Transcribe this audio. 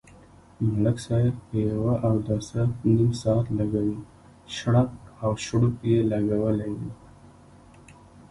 ملک صاحب په یوه اوداسه نیم ساعت لگوي، شړپ او شړوپ یې لگولی وي.